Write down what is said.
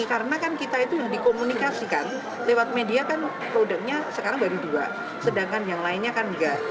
karena kan kita itu yang dikomunikasikan lewat media kan produknya sekarang baru dua sedangkan yang lainnya kan enggak